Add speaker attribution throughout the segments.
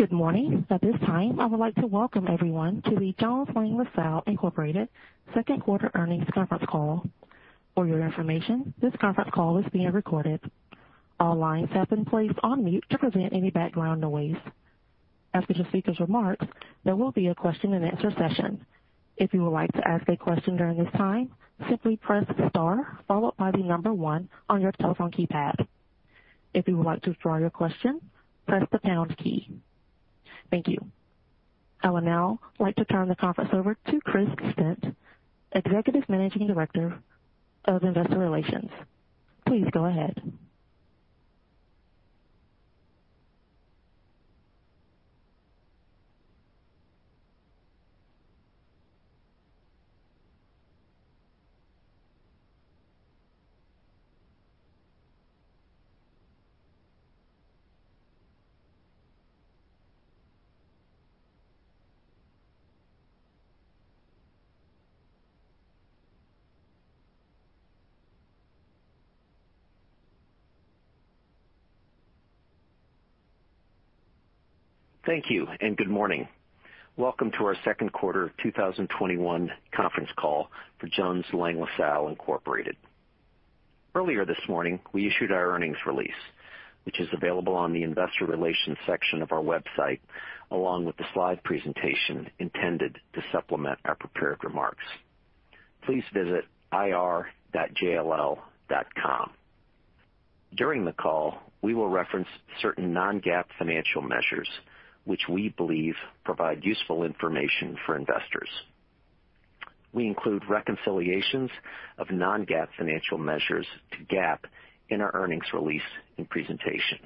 Speaker 1: Good morning. At this time, I would like to welcome everyone to the Jones Lang LaSalle Incorporated Second Quarter Earnings Conference Call. For your information, this conference call is being recorded. All lines have been placed on mute to prevent any background noise. After the speaker's remarks, there will be a question and answer session. If you would like to ask a question during this time, simply press star followed by the number one on your telephone keypad. If you would like to withdraw your question, press the pound key. Thank you. I would now like to turn the conference over to Chris Stent, Executive Managing Director of Investor Relations. Please go ahead.
Speaker 2: Thank you, and good morning. Welcome to our Second Quarter 2021 Conference Call for Jones Lang LaSalle Incorporated. Earlier this morning, we issued our earnings release, which is available on the investor relations section of our website, along with the slide presentation intended to supplement our prepared remarks. Please visit ir.jll.com. During the call, we will reference certain non-GAAP financial measures which we believe provide useful information for investors. We include reconciliations of non-GAAP financial measures to GAAP in our earnings release and presentation.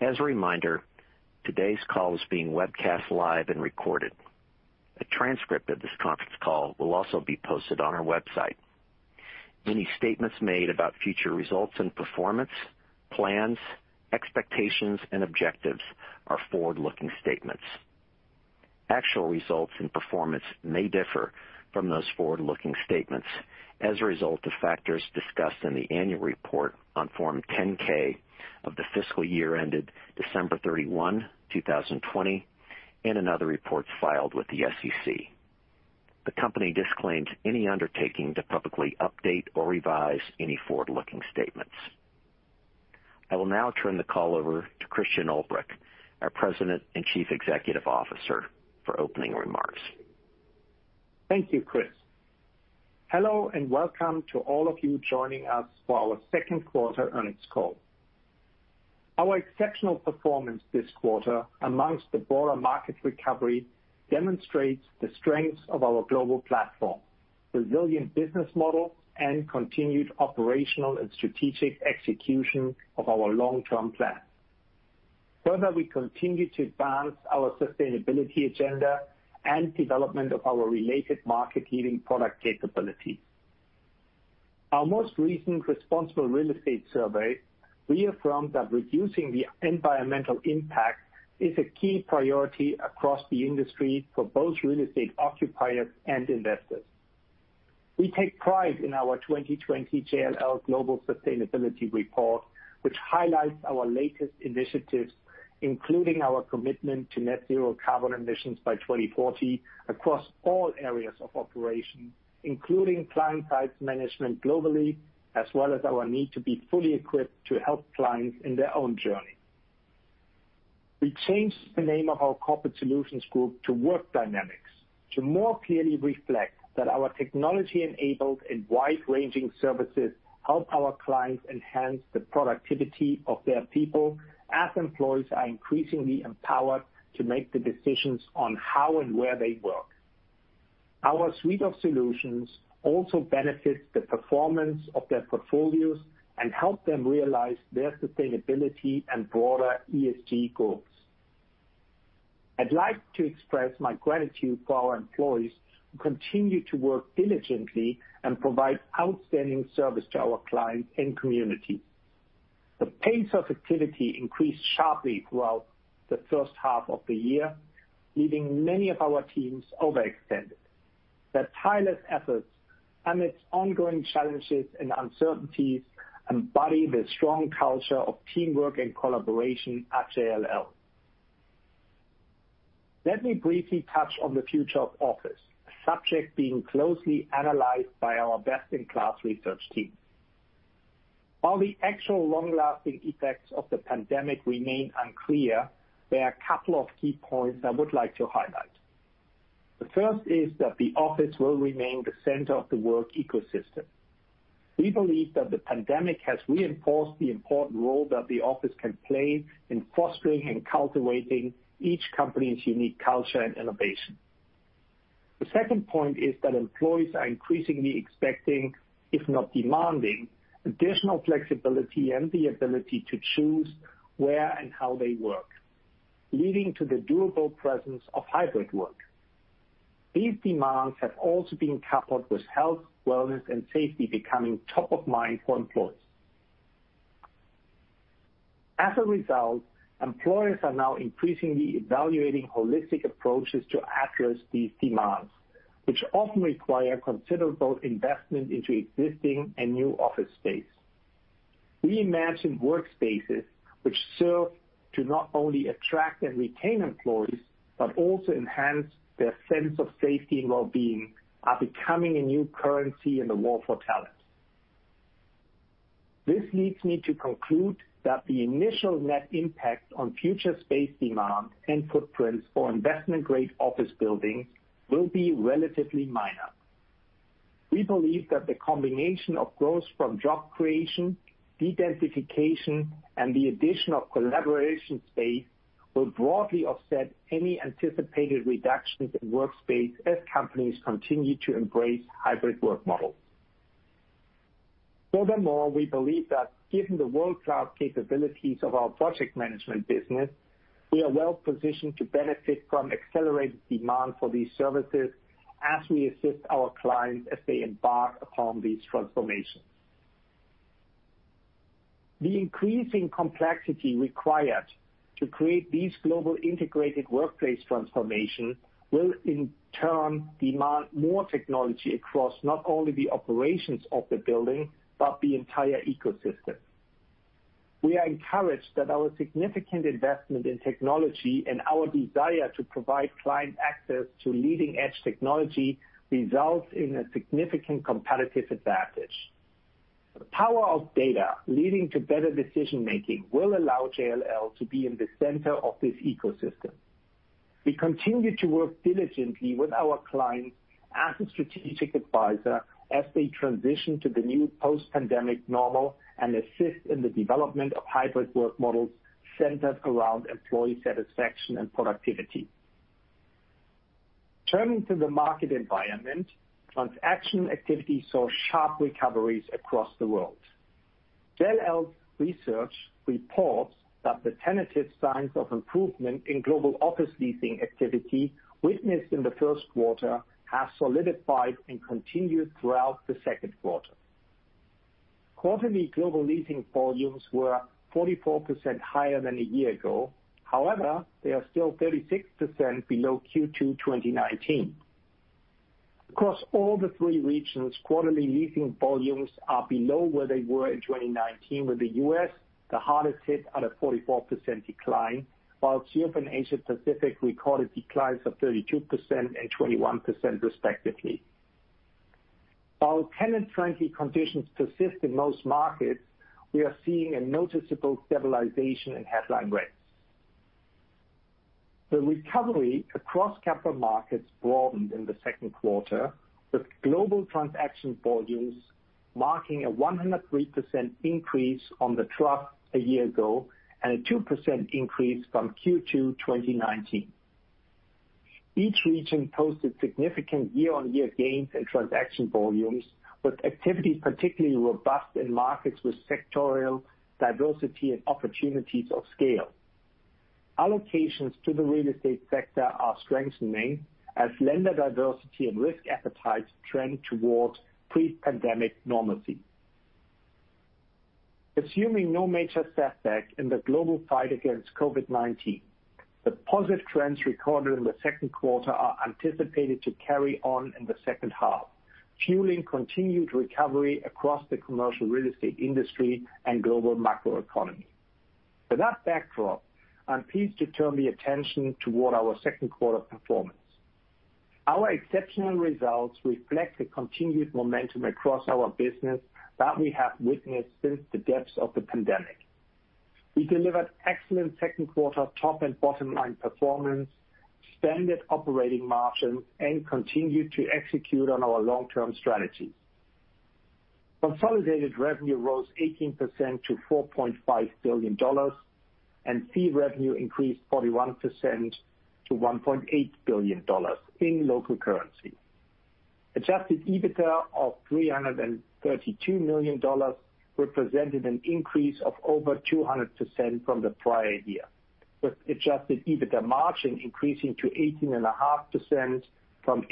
Speaker 2: As a reminder, today's call is being webcast live and recorded. A transcript of this conference call will also be posted on our website. Any statements made about future results and performance, plans, expectations and objectives are forward-looking statements. Actual results and performance may differ from those forward-looking statements as a result of factors discussed in the annual report on Form 10-K of the fiscal year ended December 31, 2020, and in other reports filed with the SEC. The company disclaims any undertaking to publicly update or revise any forward-looking statements. I will now turn the call over to Christian Ulbrich, our President and Chief Executive Officer, for opening remarks.
Speaker 3: Thank you, Chris. Hello and welcome to all of you joining us for our Second Quarter Earnings Call. Our exceptional performance this quarter amongst the broader market recovery demonstrates the strength of our global platform, resilient business model, and continued operational and strategic execution of our long-term plan. Further, we continue to advance our sustainability agenda and development of our related market-leading product capabilities. Our most recent responsible real estate survey reaffirmed that reducing the environmental impact is a key priority across the industry for both real estate occupiers and investors. We take pride in our 2020 JLL Global Sustainability Report, which highlights our latest initiatives, including our commitment to net zero carbon emissions by 2040 across all areas of operation, including client site management globally, as well as our need to be fully equipped to help clients in their own journey. We changed the name of our Corporate Solutions Group to Work Dynamics to more clearly reflect that our technology-enabled and wide-ranging services help our clients enhance the productivity of their people as employees are increasingly empowered to make the decisions on how and where they work. Our suite of solutions also benefits the performance of their portfolios and help them realize their sustainability and broader ESG goals. I'd like to express my gratitude for our employees who continue to work diligently and provide outstanding service to our clients and community. The pace of activity increased sharply throughout the first half of the year, leaving many of our teams overextended. Their tireless efforts amidst ongoing challenges and uncertainties embody the strong culture of teamwork and collaboration at JLL. Let me briefly touch on the future of office, a subject being closely analyzed by our best-in-class research team. While the actual long-lasting effects of the pandemic remain unclear, there are a couple of key points I would like to highlight. The first is that the office will remain the center of the work ecosystem. We believe that the pandemic has reinforced the important role that the office can play in fostering and cultivating each company's unique culture and innovation. The second point is that employees are increasingly expecting, if not demanding, additional flexibility and the ability to choose where and how they work, leading to the durable presence of hybrid work. These demands have also been coupled with health, wellness, and safety becoming top of mind for employees. As a result, employers are now increasingly evaluating holistic approaches to address these demands, which often require considerable investment into existing and new office space. We imagine workspaces which serve to not only attract and retain employees, but also enhance their sense of safety and wellbeing are becoming a new currency in the war for talent. This leads me to conclude that the initial net impact on future space demand and footprints for investment-grade office buildings will be relatively minor. We believe that the combination of growth from job creation, dedensification, and the addition of collaboration space will broadly offset any anticipated reductions in workspace as companies continue to embrace hybrid work models. Furthermore, we believe that given the world-class capabilities of our project management business, we are well positioned to benefit from accelerated demand for these services as we assist our clients as they embark upon these transformations. The increasing complexity required to create these global integrated workplace transformation will in turn demand more technology across not only the operations of the building, but the entire ecosystem. We are encouraged that our significant investment in technology and our desire to provide client access to leading-edge technology results in a significant competitive advantage. The power of data leading to better decision-making will allow JLL to be in the center of this ecosystem. We continue to work diligently with our clients as a strategic advisor as they transition to the new post-pandemic normal and assist in the development of hybrid work models centered around employee satisfaction and productivity. Turning to the market environment, transaction activity saw sharp recoveries across the world. JLL's research reports that the tentative signs of improvement in global office leasing activity witnessed in the first quarter have solidified and continued throughout the second quarter. Quarterly global leasing volumes were 44% higher than a year ago. However, they are still 36% below Q2 2019. Across all the three regions, quarterly leasing volumes are below where they were in 2019, with the U.S. the hardest hit at a 44% decline, while Europe and Asia Pacific recorded declines of 32% and 21% respectively. Our tenant-friendly conditions persist in most markets, we are seeing a noticeable stabilization and headline rates. The recovery across capital markets broadened in the second quarter, with global transaction volumes marking a 103% increase on the trough a year ago and a 2% increase from Q2 2019. Each region posted significant year-on-year gains in transaction volumes, with activity particularly robust in markets with sectorial diversity and opportunities of scale. Allocations to the real estate sector are strengthening as lender diversity and risk appetites trend towards pre-pandemic normalcy. Assuming no major setback in the global fight against COVID-19, the positive trends recorded in the second quarter are anticipated to carry on in the second half, fueling continued recovery across the commercial real estate industry and global macroeconomy. With that backdrop, I'm pleased to turn the attention toward our second quarter performance. Our exceptional results reflect the continued momentum across our business that we have witnessed since the depths of the pandemic. We delivered excellent second quarter top and bottom line performance, extended operating margins, and continued to execute on our long-term strategy. Consolidated revenue rose 18% to $4.5 billion, and fee revenue increased 41% to $1.8 billion in local currency. Adjusted EBITDA of $332 million represented an increase of over 200% from the prior year, with Adjusted EBITDA margin increasing to 18.5% from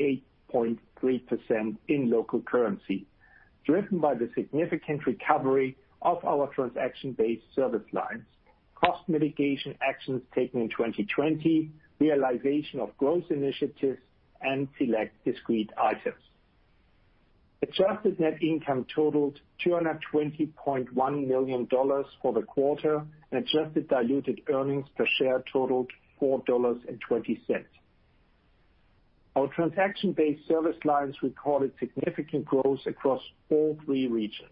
Speaker 3: 8.3% in local currency, driven by the significant recovery of our transaction-based service lines, cost mitigation actions taken in 2020, realization of growth initiatives, and select discrete items. Adjusted net income totaled $220.1 million for the quarter, and adjusted diluted earnings per share totaled $4.20. Our transaction-based service lines recorded significant growth across all three regions.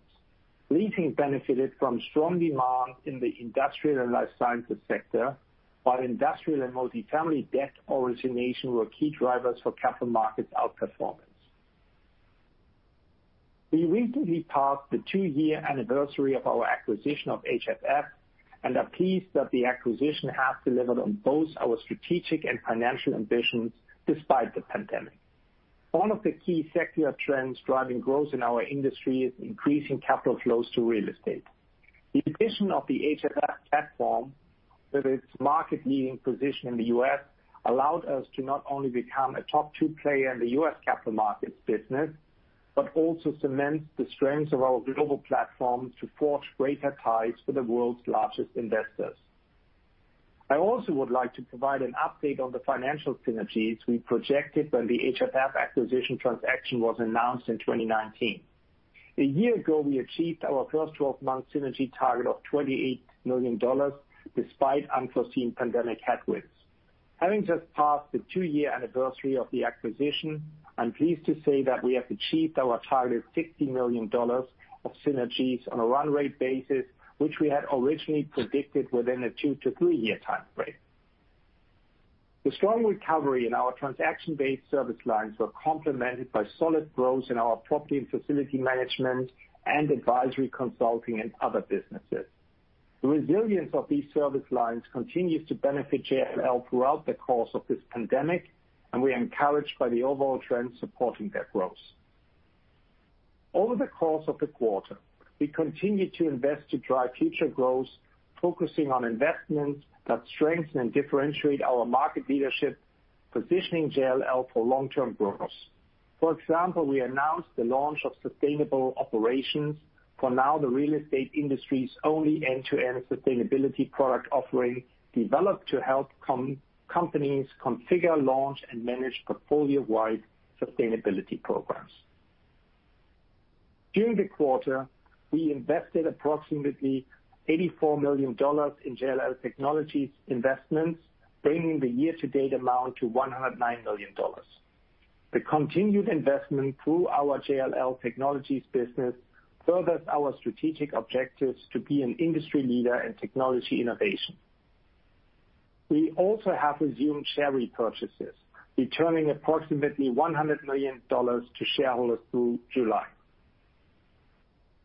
Speaker 3: Leasing benefited from strong demand in the industrial and life sciences sector, while industrial and multifamily debt origination were key drivers for capital markets outperformance. We recently passed the two-year anniversary of our acquisition of HFF and are pleased that the acquisition has delivered on both our strategic and financial ambitions despite the pandemic. One of the key secular trends driving growth in our industry is increasing capital flows to real estate. The addition of the HFF platform, with its market-leading position in the U.S., allowed us to not only become a top two player in the U.S. capital markets business, but also cement the strengths of our global platform to forge greater ties with the world's largest investors. I also would like to provide an update on the financial synergies we projected when the HFF acquisition transaction was announced in 2019. A year ago, we achieved our first 12-month synergy target of $28 million despite unforeseen pandemic headwinds. Having just passed the two-year anniversary of the acquisition, I'm pleased to say that we have achieved our targeted $60 million of synergies on a run rate basis, which we had originally predicted within a two to three-year timeframe. The strong recovery in our transaction-based service lines were complemented by solid growth in our Property & Facility Management and advisory consulting and other businesses. The resilience of these service lines continues to benefit JLL throughout the course of this pandemic, and we are encouraged by the overall trend supporting that growth. Over the course of the quarter, we continued to invest to drive future growth, focusing on investments that strengthen and differentiate our market leadership, positioning JLL for long-term growth. For example, we announced the launch of Sustainable Operations for now the real estate industry's only end-to-end sustainability product offering, developed to help companies configure, launch, and manage portfolio-wide sustainability programs. During the quarter, we invested approximately $84 million in JLL Technologies investments, bringing the year-to-date amount to $109 million. The continued investment through our JLL Technologies business furthers our strategic objectives to be an industry leader in technology innovation. We also have resumed share repurchases, returning approximately $100 million to shareholders through July.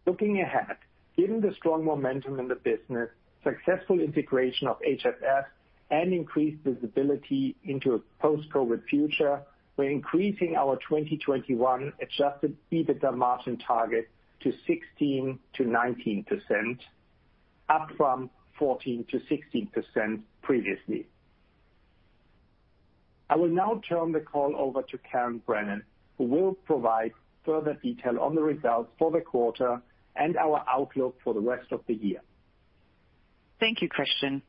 Speaker 3: Looking ahead, given the strong momentum in the business, successful integration of HFF, and increased visibility into a post-COVID-19 future, we're increasing our 2021 Adjusted EBITDA margin target to 16%-19%, up from 14%-16% previously. I will now turn the call over to Karen Brennan, who will provide further detail on the results for the quarter and our outlook for the rest of the year.
Speaker 4: Thank you, Christian.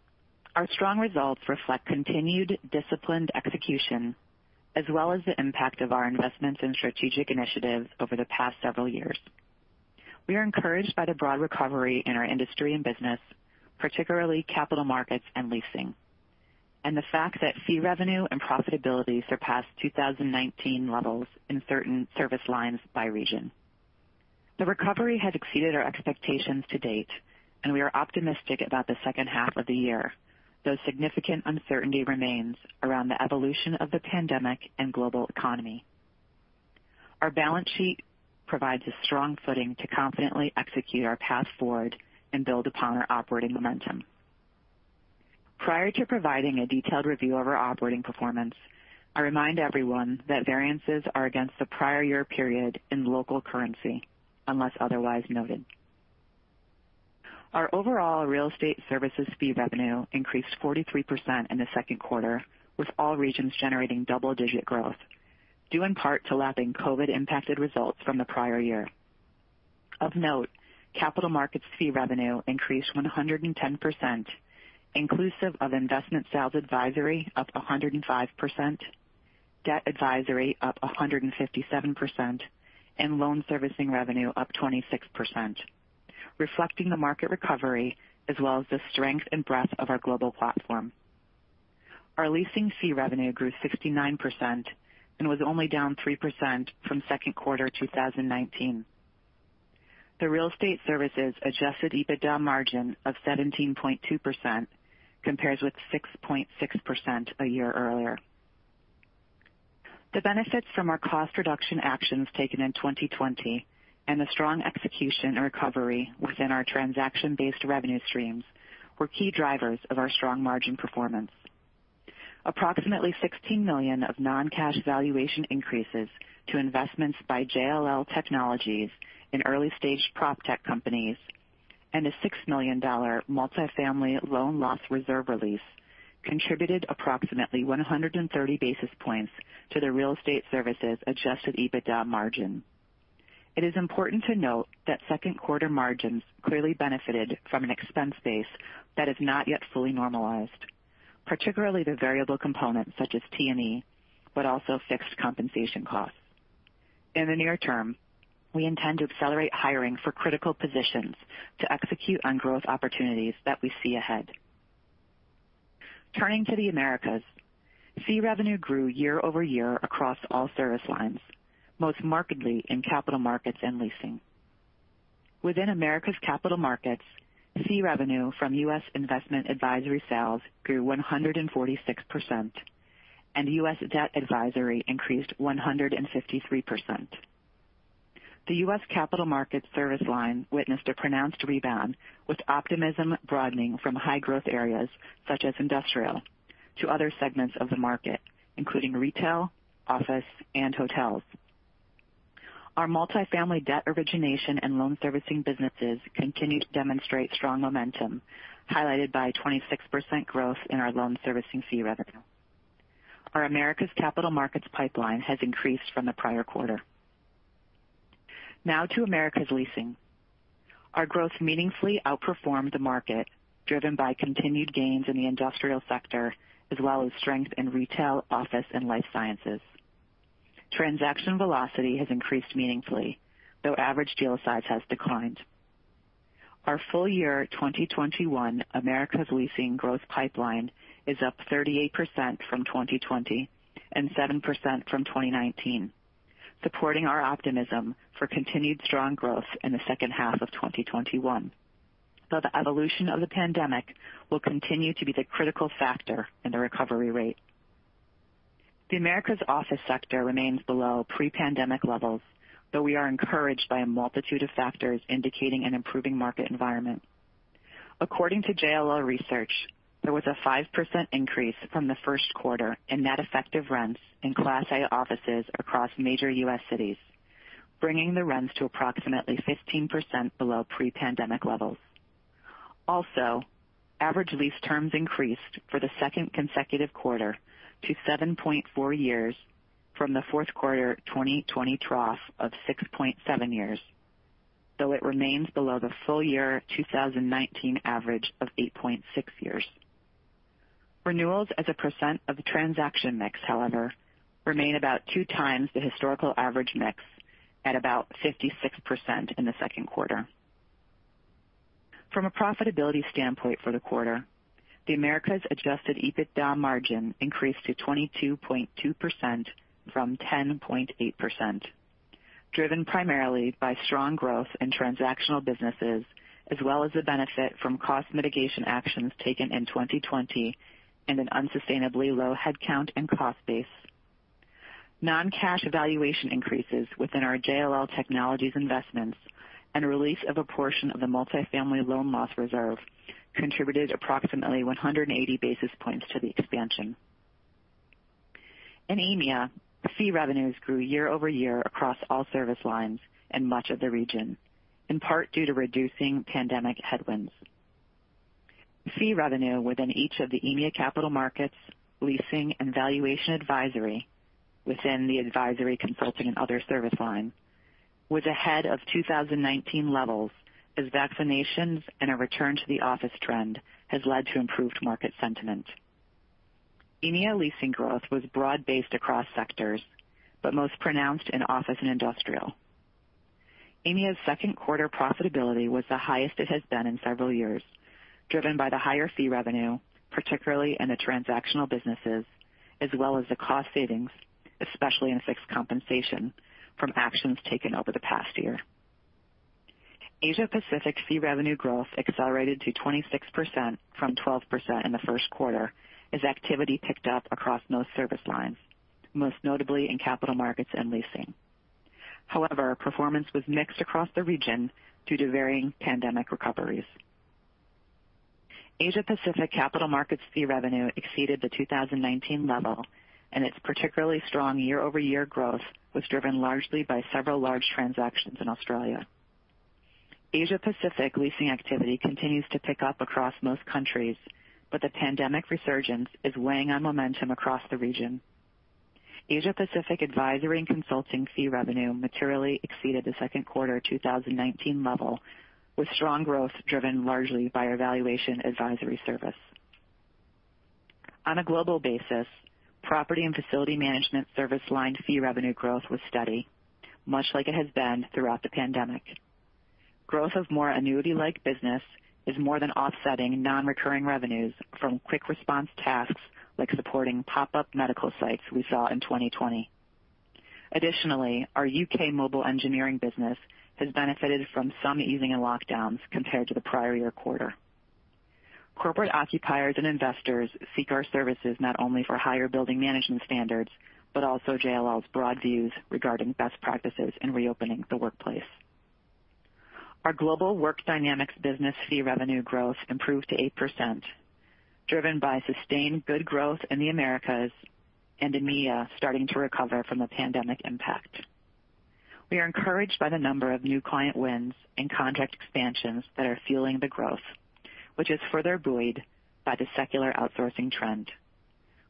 Speaker 4: Our strong results reflect continued disciplined execution as well as the impact of our investments in strategic initiatives over the past years. we are encourage by the broad recovery and in our industry business, particularly Capital Markets and Leasing, and the fact that fee revenue and profitability surpassed 2019 levels in certain service lines by region. The recovery has exceeded our expectations to date, and we are optimistic about the second half of the year, though significant uncertainty remains around the evolution of the pandemic and global economy. Our balance sheet provides a strong footing to confidently execute our path forward and build upon our operating momentum. Prior to providing a detailed review of our operating performance, I remind everyone that variances are against the prior year period in local currency, unless otherwise noted. Our overall Real Estate Services fee revenue increased 43% in the second quarter, with all regions generating double-digit growth, due in part to lapping COVID impacted results from the prior year. Of note, Capital Markets fee revenue increased 110%, inclusive of investment sales advisory up 105%, debt advisory up 157%, and loan servicing revenue up 26%, reflecting the market recovery as well as the strength and breadth of our global platform. Our leasing fee revenue grew 69% and was only down 3% from second quarter 2019. The Real Estate Services Adjusted EBITDA margin of 17.2% compares with 6.6% a year earlier. The benefits from our cost reduction actions taken in 2020 and the strong execution and recovery within our transaction-based revenue streams were key drivers of our strong margin performance. Approximately $16 million of non-cash valuation increases to investments by JLL Technologies in early-stage PropTech companies, and a $6 million multifamily loan loss reserve release contributed approximately 130 basis points to the Real Estate Services Adjusted EBITDA margin. It is important to note that second quarter margins clearly benefited from an expense base that is not yet fully normalized, particularly the variable components such as T&E, but also fixed compensation costs. In the near term, we intend to accelerate hiring for critical positions to execute on growth opportunities that we see ahead. Turning to the Americas. Fee revenue grew year-over-year across all service lines, most markedly in Capital Markets and Leasing. Within Americas Capital Markets, fee revenue from U.S. investment advisory sales grew 146%, and U.S. debt advisory increased 153%. The U.S. capital markets service line witnessed a pronounced rebound, with optimism broadening from high growth areas such as industrial to other segments of the market, including retail, office, and hotels. Our multifamily debt origination and loan servicing businesses continued to demonstrate strong momentum, highlighted by 26% growth in our loan servicing fee revenue. Our Americas Capital Markets pipeline has increased from the prior quarter. Now to Americas Leasing. Our growth meaningfully outperformed the market, driven by continued gains in the industrial sector, as well as strength in retail, office, and life sciences. Transaction velocity has increased meaningfully, though average deal size has declined. Our full year 2021 Americas Leasing growth pipeline is up 38% from 2020 and 7% from 2019, supporting our optimism for continued strong growth in the second half of 2021. Though the evolution of the pandemic will continue to be the critical factor in the recovery rate. The Americas office sector remains below pre-pandemic levels, though we are encouraged by a multitude of factors indicating an improving market environment. According to JLL Research, there was a 5% increase from the first quarter in net effective rents in Class A offices across major U.S. cities, bringing the rents to approximately 15% below pre-pandemic levels. Also, average lease terms increased for the second consecutive quarter to 7.4 years from the fourth quarter 2020 trough of 6.7 years, though it remains below the full year 2019 average of 8.6 years. Renewals as a percent of the transaction mix, however, remain about two times the historical average mix at about 56% in the second quarter. From a profitability standpoint for the quarter, the Americas adjusted EBITDA margin increased to 22.2% from 10.8%, driven primarily by strong growth in transactional businesses, as well as the benefit from cost mitigation actions taken in 2020 and an unsustainably low headcount and cost base. Non-cash evaluation increases within our JLL Technologies investments and release of a portion of the multifamily loan loss reserve contributed approximately 180 basis points to the expansion. In EMEA, fee revenues grew year-over-year across all service lines in much of the region, in part due to reducing pandemic headwinds. Fee revenue within each of the EMEA capital markets, Leasing, and Valuation Advisory within the Advisory, Consulting, and Other service line was ahead of 2019 levels as vaccinations and a return to the office trend has led to improved market sentiment. EMEA leasing growth was broad-based across sectors, but most pronounced in office and industrial. EMEA's second quarter profitability was the highest it has been in several years, driven by the higher fee revenue, particularly in the transactional businesses, as well as the cost savings, especially in fixed compensation from actions taken over the past year. Asia Pacific fee revenue growth accelerated to 26% from 12% in the first quarter as activity picked up across most service lines, most notably in Capital Markets and Leasing. However, performance was mixed across the region due to varying pandemic recoveries. Asia Pacific Capital Markets fee revenue exceeded the 2019 level, and its particularly strong year-over-year growth was driven largely by several large transactions in Australia. Asia Pacific leasing activity continues to pick up across most countries, but the pandemic resurgence is weighing on momentum across the region. Asia Pacific advisory and consulting fee revenue materially exceeded the second quarter 2019 level, with strong growth driven largely by our valuation advisory service. On a global basis, Property & Facility Management service line fee revenue growth was steady, much like it has been throughout the pandemic. Growth of more annuity-like business is more than offsetting non-recurring revenues from quick response tasks like supporting pop-up medical sites we saw in 2020. Additionally, our U.K. mobile engineering business has benefited from some easing in lockdowns compared to the prior year quarter. Corporate occupiers and investors seek our services not only for higher building management standards, but also JLL's broad views regarding best practices in reopening the workplace. Our Global Work Dynamics business fee revenue growth improved to 8%, driven by sustained good growth in the Americas and EMEA starting to recover from the pandemic impact. We are encouraged by the number of new client wins and contract expansions that are fueling the growth, which is further buoyed by the secular outsourcing trend.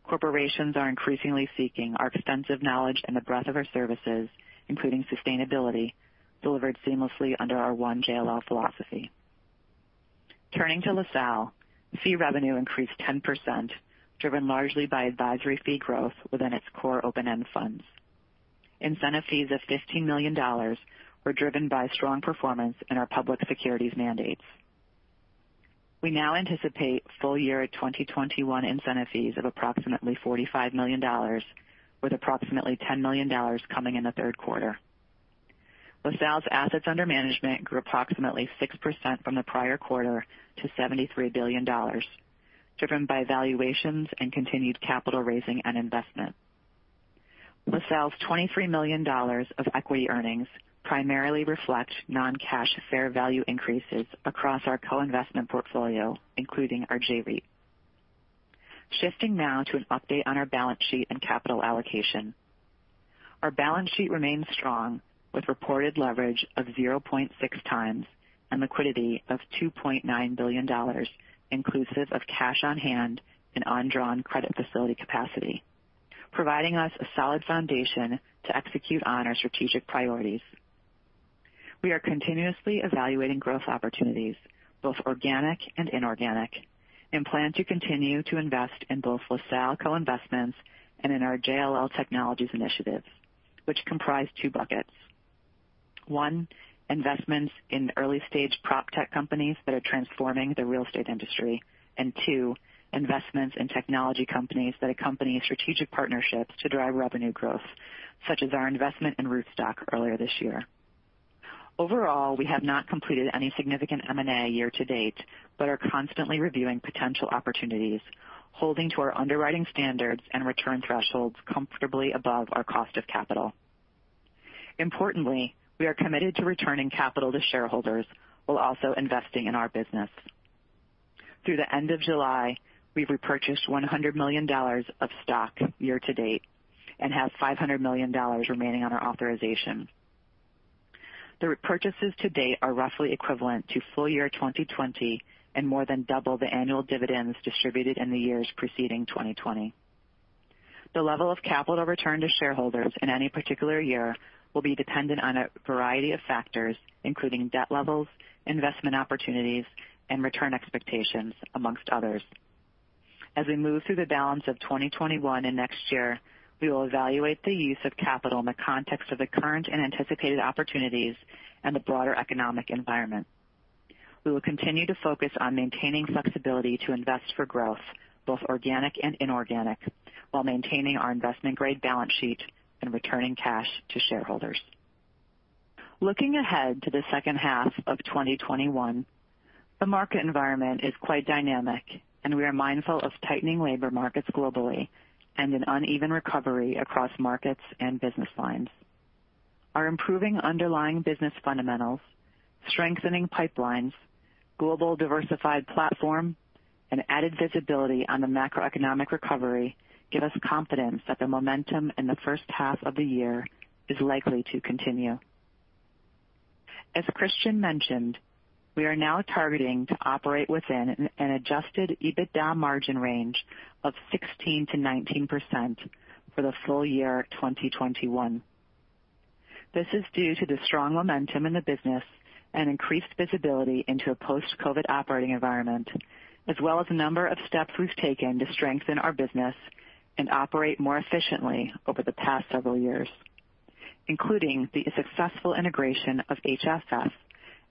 Speaker 4: Corporations are increasingly seeking our extensive knowledge and the breadth of our services, including sustainability, delivered seamlessly under our One JLL philosophy. Turning to LaSalle, fee revenue increased 10%, driven largely by advisory fee growth within its core open-end funds. Incentive fees of $15 million were driven by strong performance in our public securities mandates. We now anticipate full year 2021 incentive fees of approximately $45 million, with approximately $10 million coming in the third quarter. LaSalle's Assets Under Management grew approximately 6% from the prior quarter to $73 billion, driven by valuations and continued capital raising and investment. LaSalle's $23 million of equity earnings primarily reflect non-cash fair value increases across our co-investment portfolio, including our J-REIT. Shifting now to an update on our balance sheet and capital allocation. Our balance sheet remains strong, with reported leverage of 0.6x and liquidity of $2.9 billion inclusive of cash on hand and undrawn credit facility capacity. Providing us a solid foundation to execute on our strategic priorities. We are continuously evaluating growth opportunities, both organic and inorganic, and plan to continue to invest in both LaSalle co-investments and in our JLL Technologies initiatives, which comprise two buckets. One, investments in early-stage PropTech companies that are transforming the real estate industry. And two, investments in technology companies that accompany strategic partnerships to drive revenue growth, such as our investment in Roofstock earlier this year. Overall, we have not completed any significant M&A year-to-date, but are constantly reviewing potential opportunities, holding to our underwriting standards and return thresholds comfortably above our cost of capital. Importantly, we are committed to returning capital to shareholders while also investing in our business. Through the end of July, we've repurchased $100 million of stock year-to-date and have $500 million remaining on our authorization. The repurchases to date are roughly equivalent to full year 2020, and more than double the annual dividends distributed in the years preceding 2020. The level of capital return to shareholders in any particular year will be dependent on a variety of factors, including debt levels, investment opportunities, and return expectations, amongst others. As we move through the balance of 2021 and next year, we will evaluate the use of capital in the context of the current and anticipated opportunities and the broader economic environment. We will continue to focus on maintaining flexibility to invest for growth, both organic and inorganic, while maintaining our Investment Grade balance sheet and returning cash to shareholders. Looking ahead to the second half of 2021, the market environment is quite dynamic. We are mindful of tightening labor markets globally and an uneven recovery across markets and business lines. Our improving underlying business fundamentals, strengthening pipelines, global diversified platform, and added visibility on the macroeconomic recovery give us confidence that the momentum in the first half of the year is likely to continue. As Christian mentioned, we are now targeting to operate within an Adjusted EBITDA margin range of 16%-19% for the full year 2021. This is due to the strong momentum in the business and increased visibility into a post-COVID operating environment, as well as the number of steps we've taken to strengthen our business and operate more efficiently over the past several years, including the successful integration of HFF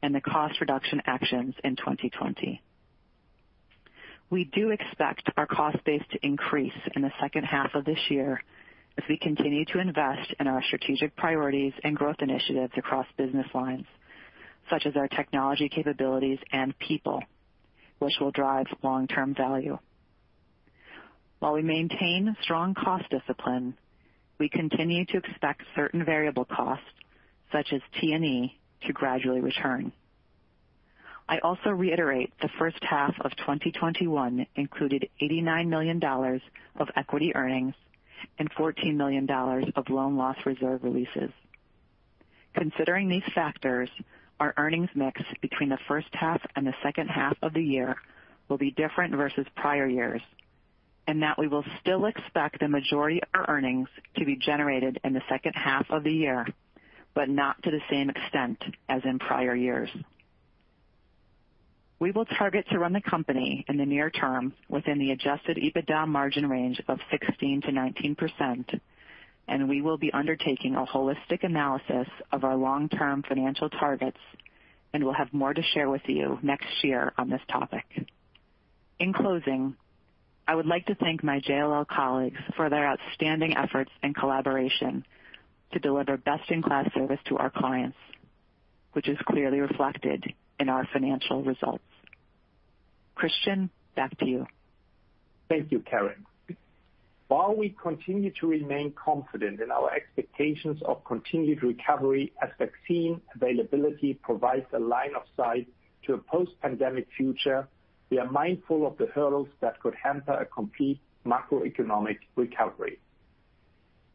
Speaker 4: and the cost reduction actions in 2020. We do expect our cost base to increase in the second half of this year as we continue to invest in our strategic priorities and growth initiatives across business lines, such as our technology capabilities and people, which will drive long-term value. While we maintain strong cost discipline, we continue to expect certain variable costs, such as T&E, to gradually return. I also reiterate the first half of 2021 included $89 million of equity earnings and $14 million of loan loss reserve releases. Considering these factors, our earnings mix between the first half and the second half of the year will be different versus prior years, and that we will still expect the majority of our earnings to be generated in the second half of the year, but not to the same extent as in prior years. We will target to run the company in the near term within the Adjusted EBITDA margin range of 16%-19%. We will be undertaking a holistic analysis of our long-term financial targets. We'll have more to share with you next year on this topic. In closing, I would like to thank my JLL colleagues for their outstanding efforts and collaboration to deliver best-in-class service to our clients, which is clearly reflected in our financial results. Christian, back to you.
Speaker 3: Thank you, Karen. While we continue to remain confident in our expectations of continued recovery as vaccine availability provides a line of sight to a post-pandemic future, we are mindful of the hurdles that could hamper a complete macroeconomic recovery.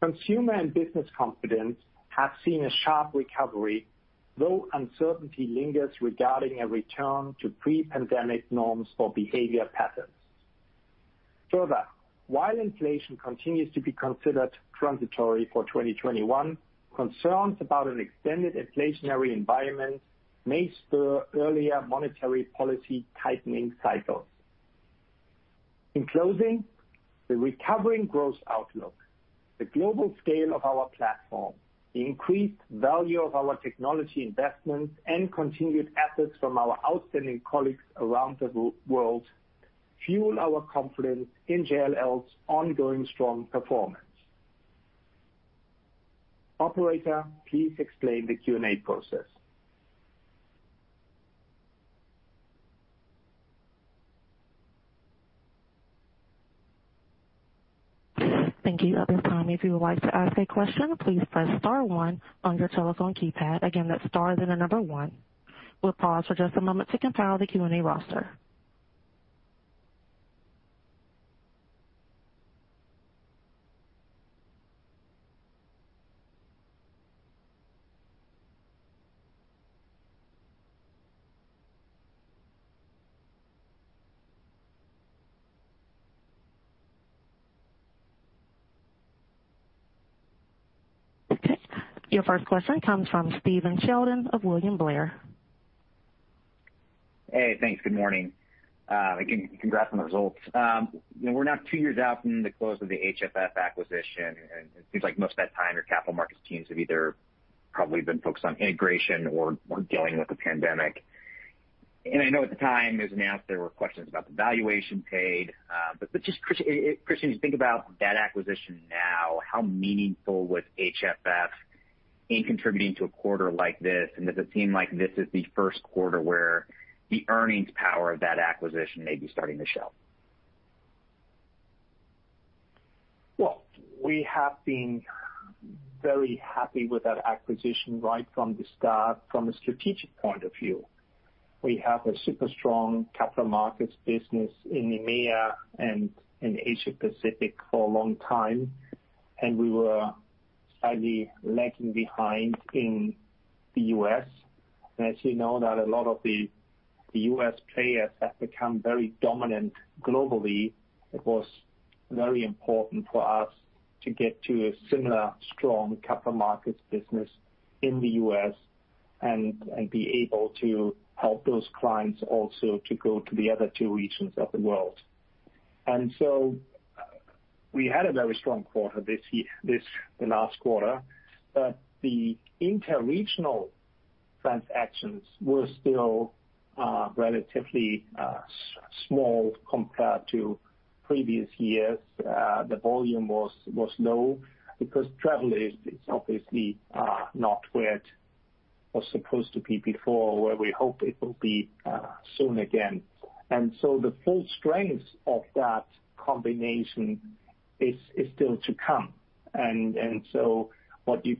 Speaker 3: Consumer and business confidence have seen a sharp recovery, though uncertainty lingers regarding a return to pre-pandemic norms or behavior patterns. Further, while inflation continues to be considered transitory for 2021, concerns about an extended inflationary environment may spur earlier monetary policy tightening cycles. In closing, the recovering growth outlook, the global scale of our platform, the increased value of our technology investments, and continued efforts from our outstanding colleagues around the world fuel our confidence in JLL's ongoing strong performance. Operator, please explain the Q&A process.
Speaker 1: Thank you. At this time, if you would like to ask a question, please press star one on your telephone keypad. Again, that's star, then the number one. We'll pause for just a moment to compile the Q&A roster. Okay. Your first question comes from Stephen Sheldon of William Blair.
Speaker 5: Hey, thanks. Good morning. Congrats on the results. We're now two years out from the close of the HFF acquisition. It seems like most of that time, your Capital Markets teams have either probably been focused on integration or dealing with the pandemic. I know at the time it was announced, there were questions about the valuation paid. Just, Christian, as you think about that acquisition now, how meaningful was HFF in contributing to a quarter like this? Does it seem like this is the first quarter where the earnings power of that acquisition may be starting to show?
Speaker 3: Well, we have been very happy with that acquisition right from the start, from a strategic point of view. We have a super strong Capital Markets business in EMEA and in Asia Pacific for a long time, and we were slightly lagging behind in the U.S. As you know, that a lot of the U.S. players have become very dominant globally. It was very important for us to get to a similar strong Capital Markets business in the U.S. and be able to help those clients also to go to the other two regions of the world. We had a very strong quarter this last quarter, but the inter-regional transactions were still relatively small compared to previous years. The volume was low because travel is obviously not where it was supposed to be before, where we hope it will be soon again. And so the full strength of that combination is still to come.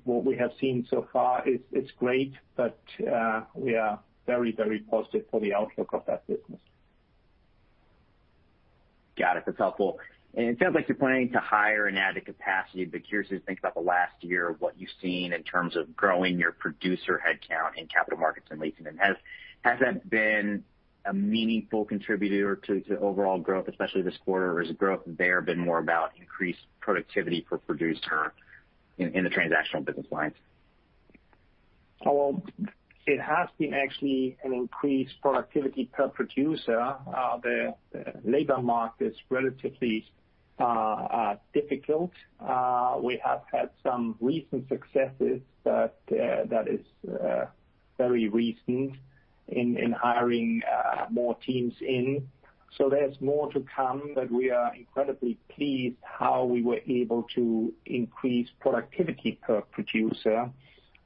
Speaker 3: What we have seen so far is great, but we are very positive for the outlook of that business.
Speaker 5: Got it. That's helpful. It sounds like you're planning to hire and add the capacity, but curious as you think about the last year, what you've seen in terms of growing your producer headcount in Capital Markets and Leasing. Has that been a meaningful contributor to overall growth, especially this quarter? Or has growth there been more about increased productivity per producer in the transactional business lines?
Speaker 3: Well, it has been actually an increased productivity per producer. The labor market is relatively difficult. We have had some recent successes, but that is very recent in hiring more teams in it. So there's more to come, but we are incredibly pleased how we were able to increase productivity per producer,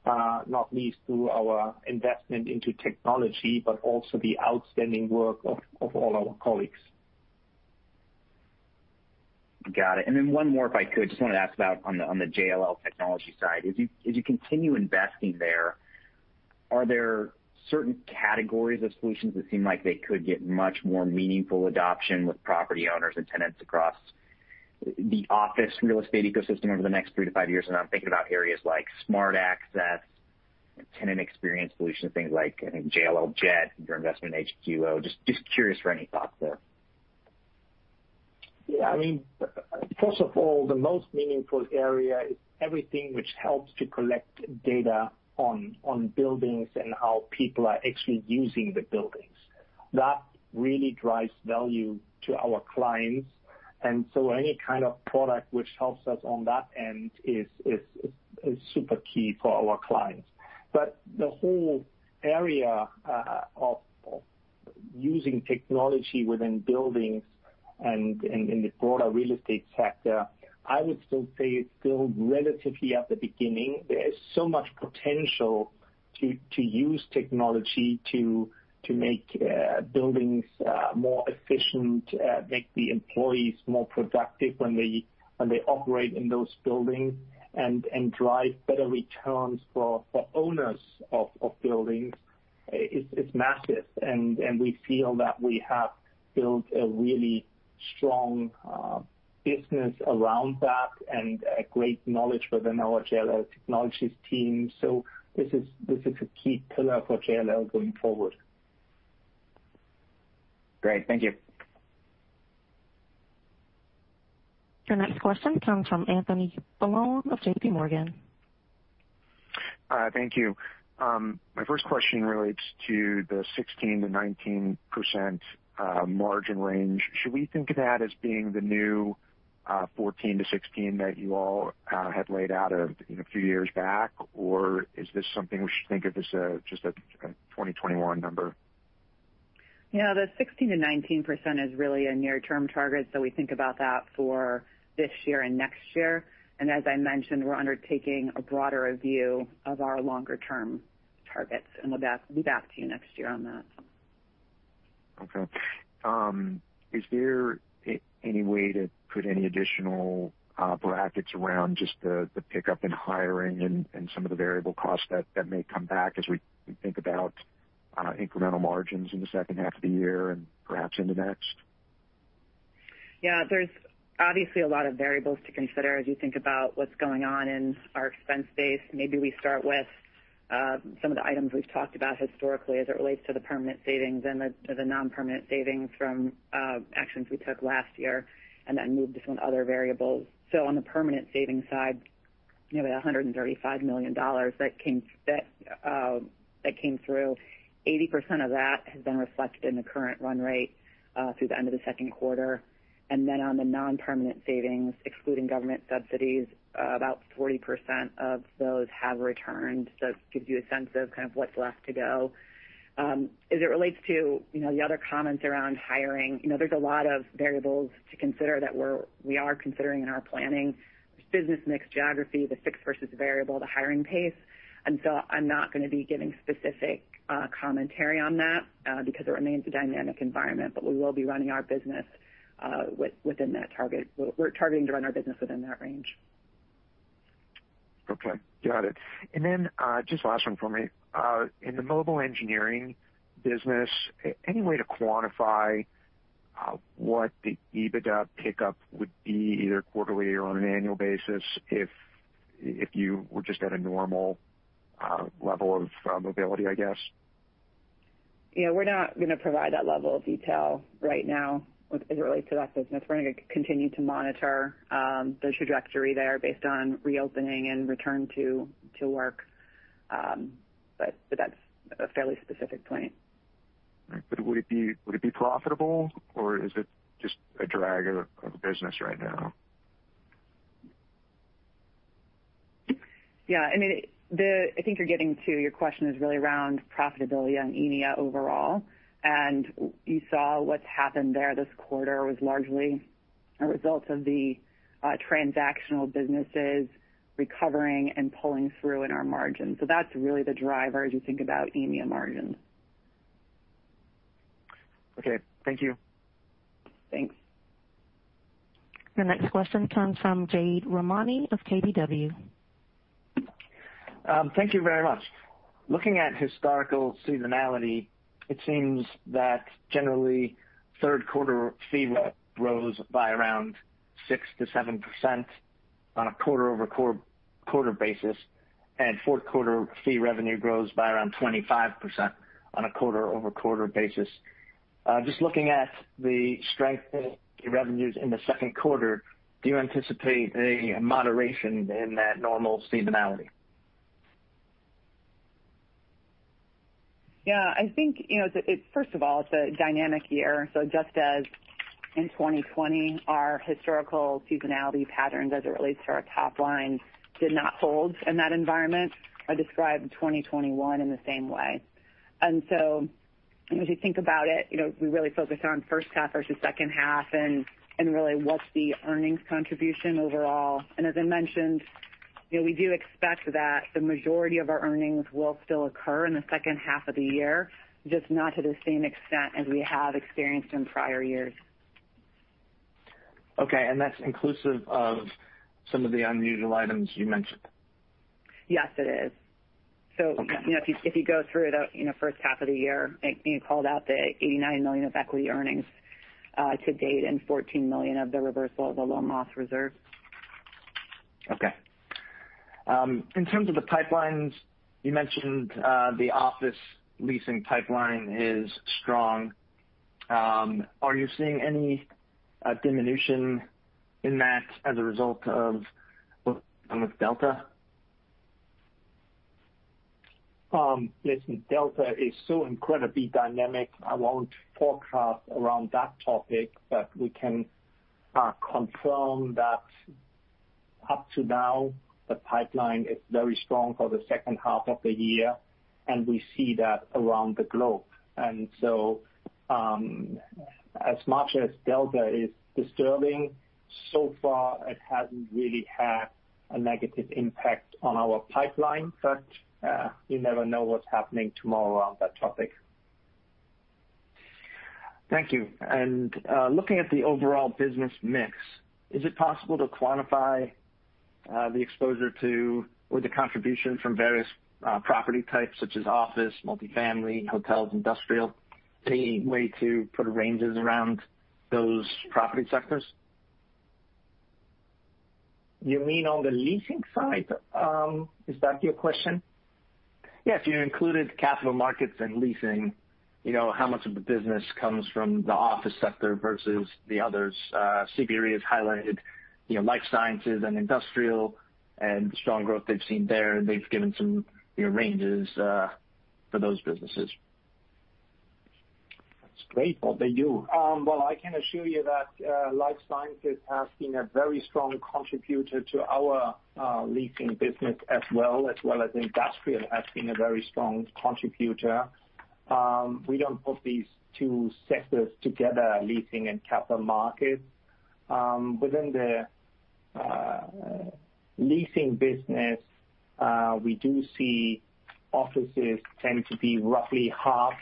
Speaker 3: not least through our investment into technology, but also the outstanding work of all our colleagues.
Speaker 5: Got it. Then one more, if I could. Just wanted to ask about on the JLL Technologies side. As you continue investing there, are there certain categories of solutions that seem like they could get much more meaningful adoption with property owners and tenants across the office real estate ecosystem over the next three to five years? I'm thinking about areas like smart access, tenant experience solutions, things like, I think JLL Jet, your investment in HqO. Just curious for any thoughts there?
Speaker 3: First of all, the most meaningful area is everything which helps to collect data on buildings and how people are actually using the buildings. That really drives value to our clients. And so any kind of product which helps us on that end is super key for our clients. The whole area of using technology within buildings and in the broader real estate sector, I would still say it's still relatively at the beginning. There's so much potential to use technology to make buildings more efficient, make the employees more productive when they operate in those buildings, and drive better returns for owners of buildings. It's massive, and we feel that we have built a really strong business around that and a great knowledge within our JLL Technologies team. This is a key pillar for JLL going forward.
Speaker 5: Great. Thank you.
Speaker 1: Your next question comes from Anthony Paolone of JPMorgan.
Speaker 6: Thank you. My first question relates to the 16%-19% margin range. Should we think of that as being the new 14%-16% that you all had laid out a few years back, or is this something we should think of as just a 2021 number?
Speaker 4: The 16%-19% is really a near term target, so we think about that for this year and next year. And as I mentioned, we're undertaking a broader review of our longer term targets, and we'll be back to you next year on that.
Speaker 6: Okay. Is there any way to put any additional brackets around just the pickup in hiring and some of the variable costs that may come back as we think about incremental margins in the second half of the year and perhaps into next?
Speaker 4: Yeah. There's obviously a lot of variables to consider as you think about what's going on in our expense base. Maybe we start with some of the items we've talked about historically as it relates to the permanent savings and the non-permanent savings from actions we took last year, and then move to some other variables. On the permanent savings side, the $135 million that came through, 80% of that has been reflected in the current run rate through the end of the second quarter. And then on the non-permanent savings, excluding government subsidies, about 40% of those have returned. It gives you a sense of kind of what's left to go. As it relates to the other comments around hiring, there's a lot of variables to consider that we are considering in our planning. There's business mix, geography, the fixed versus variable, the hiring pace, and so I'm not going to be giving specific commentary on that because it remains a dynamic environment, but we will be running our business within that target. We're targeting to run our business within that range.
Speaker 6: Okay. Got it. Just last one for me. In the mobile engineering business, any way to quantify what the EBITDA pickup would be, either quarterly or on an annual basis, if you were just at a normal level of mobility, I guess?
Speaker 4: We're not going to provide that level of detail right now as it relates to that business. We're going to continue to monitor the trajectory there based on reopening and return to work. That's a fairly specific point.
Speaker 6: Right. Would it be profitable, or is it just a drag of the business right now?
Speaker 4: Yeah. I think your question is really around profitability on EMEA overall, and you saw what's happened there this quarter was largely a result of the transactional businesses recovering and pulling through in our margins. That's really the driver as you think about EMEA margins.
Speaker 6: Okay. Thank you.
Speaker 4: Thanks.
Speaker 1: Your next question comes from Jade Rahmani of KBW.
Speaker 7: Thank you very much. Looking at historical seasonality, it seems that generally third quarter fee rev grows by around 6% to 7% on a quarter-over-quarter basis, and fourth quarter fee revenue grows by around 25% on a quarter-over-quarter basis. Just looking at the strength in revenues in the second quarter, do you anticipate any moderation in that normal seasonality?
Speaker 4: First of all, it's a dynamic year. Just as in 2020, our historical seasonality patterns as it relates to our top line did not hold in that environment. I describe 2021 in the same way. As you think about it, we really focus on first half versus second half, and really what's the earnings contribution overall. As I mentioned, we do expect that the majority of our earnings will still occur in the second half of the year, just not to the same extent as we have experienced in prior years.
Speaker 7: Okay, that's inclusive of some of the unusual items you mentioned?
Speaker 4: Yes, it is.
Speaker 7: Okay.
Speaker 4: If you go through the first half of the year, you called out the $89 million of equity earnings to date and $14 million of the reversal of the loan loss reserve.
Speaker 7: Okay. In terms of the pipelines, you mentioned the office leasing pipeline is strong. Are you seeing any diminution in that as a result of Delta?
Speaker 3: Listen, Delta is so incredibly dynamic. I won't forecast around that topic, but we can confirm that up to now, the pipeline is very strong for the second half of the year, and we see that around the globe. As much as Delta is disturbing, so far it hasn't really had a negative impact on our pipeline. You never know what's happening tomorrow on that topic.
Speaker 7: Thank you. Looking at the overall business mix, is it possible to quantify the exposure to or the contribution from various property types such as office, multifamily, hotels, industrial? Any way to put ranges around those property sectors?
Speaker 3: You mean on the leasing side? Is that your question?
Speaker 7: Yes. You included Capital Markets and Leasing. How much of the business comes from the office sector versus the others? CBRE has highlighted life sciences and industrial and the strong growth they've seen there, and they've given some ranges for those businesses.
Speaker 3: That's great. Well, I can assure you that life sciences has been a very strong contributor to our Leasing business as well, as well as industrial has been a very strong contributor. We don't put these two sectors together, Leasing and Capital Markets. Within the Leasing business, we do see offices tend to be roughly half,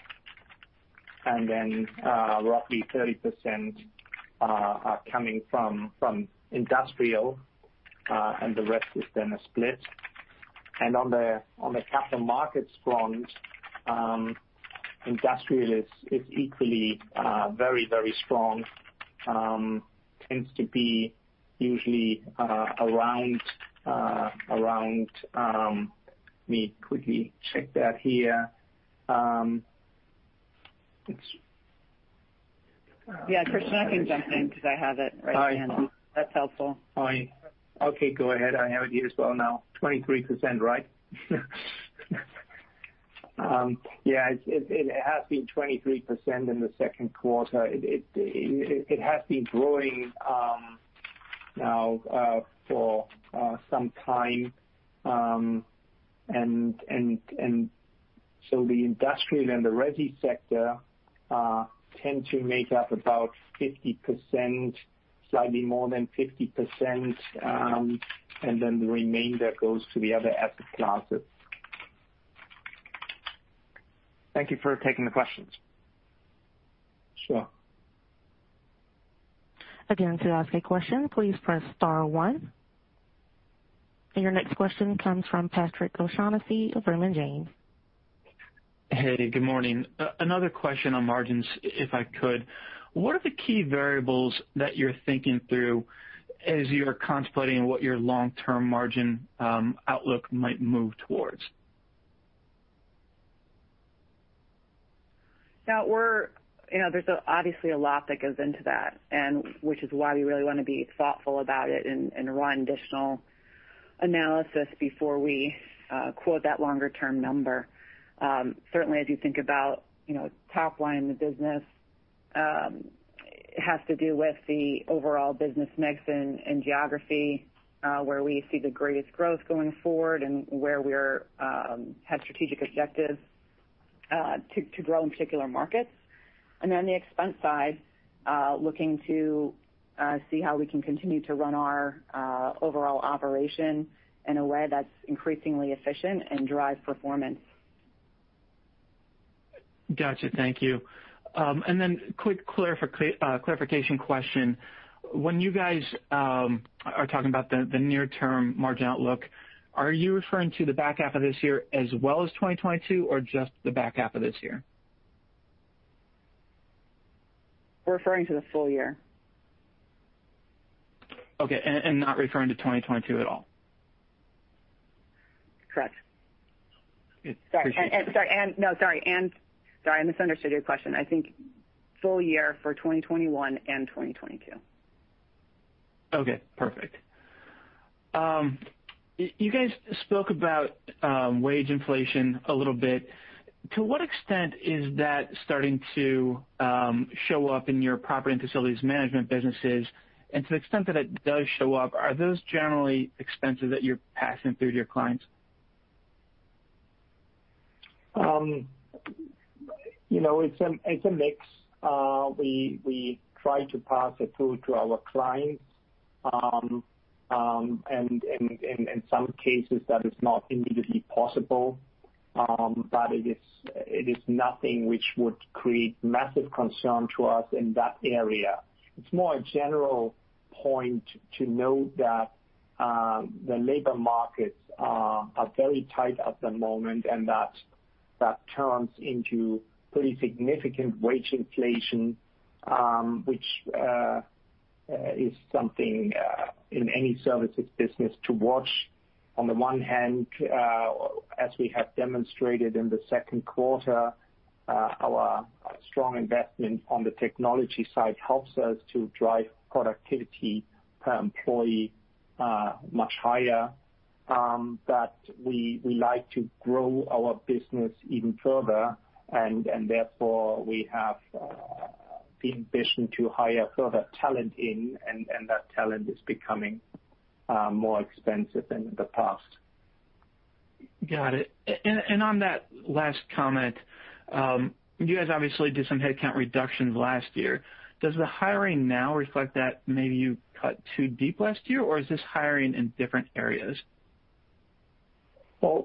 Speaker 3: then roughly 30% are coming from industrial, and the rest is then a split. On the Capital Markets front, industrial is equally very, very strong. Tends to be usually around. Let me quickly check that here.
Speaker 4: Christian, I can jump in because I have it right here.
Speaker 3: Hi.
Speaker 4: That's helpful.
Speaker 3: Hi. Okay, go ahead. I have it here as well now. 23%, right? Yeah. It has been 23% in the second quarter. It has been growing now for some time. The industrial and the Resi sector tend to make up about 50%, slightly more than 50%, and then the remainder goes to the other asset classes.
Speaker 7: Thank you for taking the questions.
Speaker 3: Sure.
Speaker 1: To ask a question, please press star one. Your next question comes from Patrick O'Shaughnessy of Raymond James.
Speaker 8: Hey, good morning. Another question on margins, if I could. What are the key variables that you're thinking through as you're contemplating what your long-term margin outlook might move towards?
Speaker 4: That were, you know, there's obviously a lot that goes into that, which is why we really want to be thoughtful about it and run additional analysis before we quote that longer-term number. Certainly, as you think about top line of the business, it has to do with the overall business mix and geography, where we see the greatest growth going forward and where we have strategic objectives to grow in particular markets. And then on the expense side, looking to see how we can continue to run our overall operation in a way that's increasingly efficient and drive performance.
Speaker 8: Gotcha. Thank you. Quick clarification question. When you guys are talking about the near-term margin outlook, are you referring to the back half of this year as well as 2022, or just the back half of this year?
Speaker 4: Referring to the full year.
Speaker 8: Okay. Not referring to 2022 at all?
Speaker 4: Correct.
Speaker 8: Good. Appreciate it.
Speaker 4: No, sorry. I misunderstood your question. I think full year for 2021 and 2022.
Speaker 8: Okay, perfect. You guys spoke about wage inflation a little bit. To what extent is that starting to show up in your property and facilities management businesses? To the extent that it does show up, are those generally expenses that you're passing through to your clients?
Speaker 3: It's a mix. We try to pass it through to our clients. In some cases, that is not immediately possible. It is nothing which would create massive concern to us in that area. It's more a general point to note that the labor markets are very tight at the moment, and that turns into pretty significant wage inflation, which is something in any services business to watch. On the one hand, as we have demonstrated in the second quarter, our strong investment on the technology side helps us to drive productivity per employee much higher, but we like to grow our business even further, and therefore, we have the ambition to hire further talent in, and that talent is becoming more expensive than in the past.
Speaker 8: Got it. On that last comment, you guys obviously did some headcount reductions last year. Does the hiring now reflect that maybe you cut too deep last year, or is this hiring in different areas?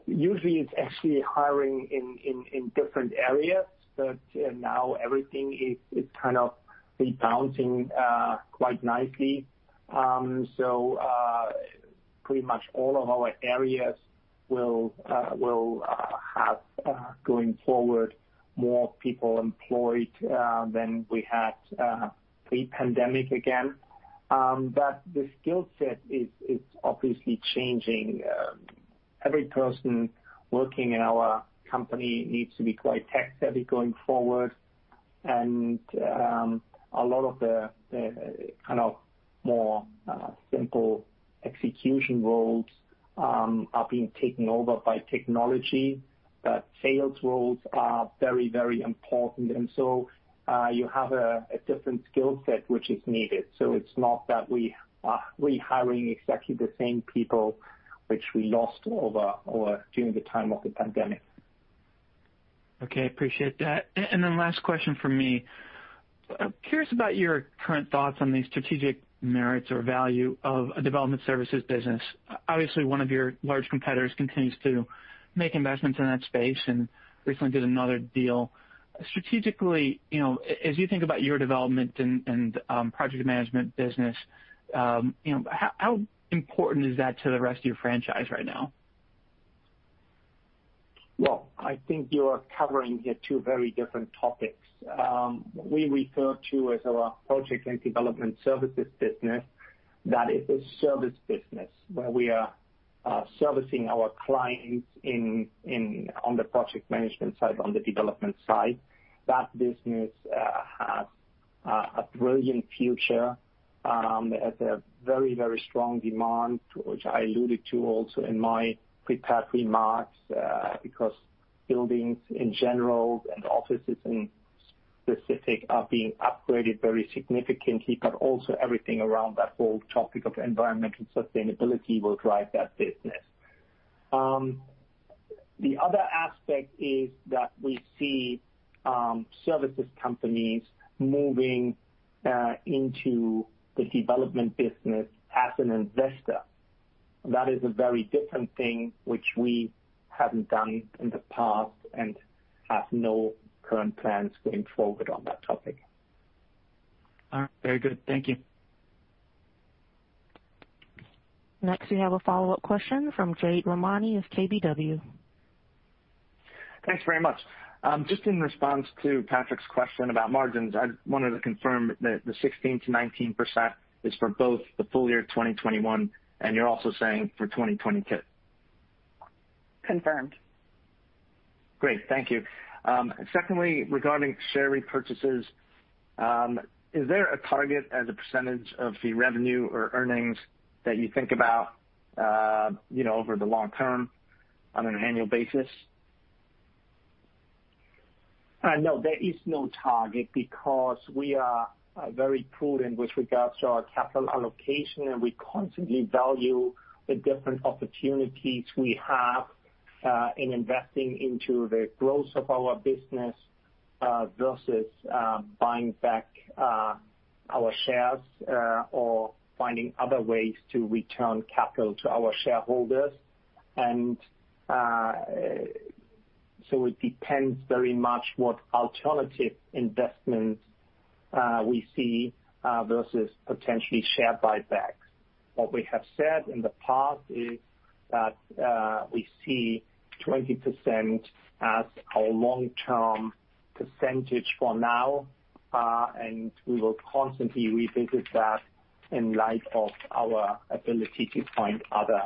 Speaker 3: Usually it's actually hiring in different areas, but now everything is kind of rebounding quite nicely. Pretty much all of our areas will have, going forward, more people employed than we had pre-pandemic again. The skill set is obviously changing. Every person working in our company needs to be quite tech-savvy going forward, and a lot of the more simple execution roles are being taken over by technology. Sales roles are very important, and so you have a different skill set which is needed. It's not that we are re-hiring exactly the same people which we lost over or during the time of the pandemic.
Speaker 8: Okay. Appreciate that. Then last question from me. Curious about your current thoughts on the strategic merits or value of a development services business. Obviously, one of your large competitors continues to make investments in that space, and recently did another deal. Strategically, as you think about your development and project management business, how important is that to the rest of your franchise right now?
Speaker 3: Well, I think you are covering here two very different topics. We refer to as our Project and Development Services business. That is a service business where we are servicing our clients on the project management side, on the development side. That business has a brilliant future. It has a very strong demand, which I alluded to also in my prepared remarks, because buildings in general and offices in specific are being upgraded very significantly, but also everything around that whole topic of environmental sustainability will drive that business. The other aspect is that we see services companies moving into the development business as an investor. That is a very different thing, which we haven't done in the past and have no current plans going forward on that topic.
Speaker 8: All right. Very good. Thank you.
Speaker 1: Next, we have a follow-up question from Jade Rahmani of KBW.
Speaker 7: Thanks very much. Just in response to Patrick's question about margins, I wanted to confirm that the 16%-19% is for both the full year 2021, and you're also saying for 2022?
Speaker 4: Confirmed.
Speaker 7: Great. Thank you. Secondly, regarding share repurchases, is there a target as a percentage of the revenue or earnings that you think about over the long term on an annual basis?
Speaker 3: No, there is no target because we are very prudent with regards to our capital allocation, and we constantly value the different opportunities we have in investing into the growth of our business versus buying back our shares or finding other ways to return capital to our shareholders. It depends very much what alternative investments we see versus potentially share buybacks. What we have said in the past is that we see 20% as our long-term percentage for now, and we will constantly revisit that in light of our ability to find other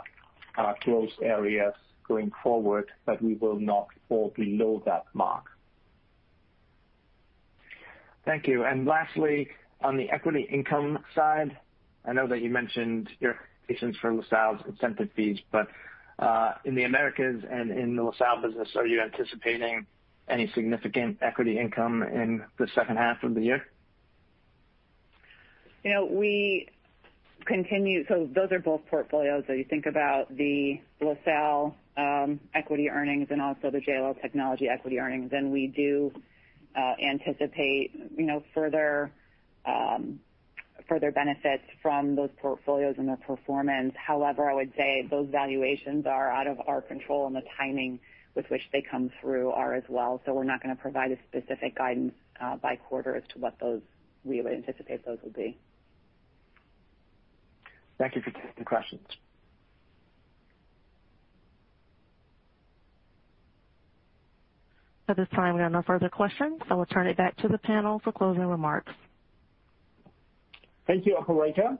Speaker 3: growth areas going forward, but we will not fall below that mark.
Speaker 7: Thank you. Lastly, on the equity income side, I know that you mentioned your expectations for LaSalle's incentive fees, but in the Americas and in the LaSalle business, are you anticipating any significant equity income in the second half of the year?
Speaker 4: Those are both portfolios. You think about the LaSalle equity earnings and also the JLL Technologies equity earnings, and we do anticipate further benefits from those portfolios and their performance. However, I would say those valuations are out of our control, and the timing with which they come through are as well. We're not going to provide a specific guidance by quarter as to what we would anticipate those will be.
Speaker 7: Thank you for taking the questions.
Speaker 1: At this time, we have no further questions, so we'll turn it back to the panel for closing remarks.
Speaker 3: Thank you, operator.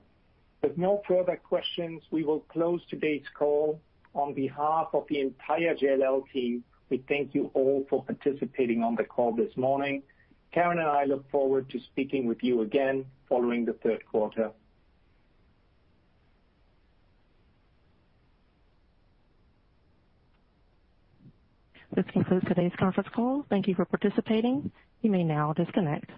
Speaker 3: With no further questions, we will close today's call. On behalf of the entire JLL team, we thank you all for participating on the call this morning. Karen and I look forward to speaking with you again following the third quarter.
Speaker 1: This concludes today's conference call. Thank you for participating. You may now disconnect.